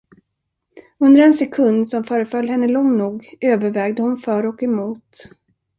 Under en sekund, som föreföll henne lång nog, övervägde hon för och emot.